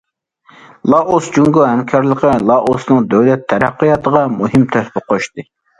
لائوس- جۇڭگو ھەمكارلىقى لائوسنىڭ دۆلەت تەرەققىياتىغا مۇھىم تۆھپە قوشتى.